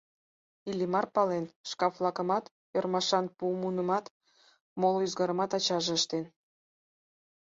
Иллимар пален: шкаф-влакымат, ӧрмашан пу мунымат, моло ӱзгарымат ачаже ыштен.